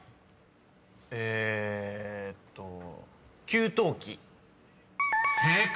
えーっと「給湯器」［正解。